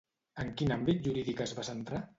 En quin àmbit jurídic es va centrar?